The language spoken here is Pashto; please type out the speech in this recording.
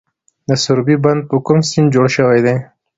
د سروبي بند په کوم سیند جوړ شوی دی؟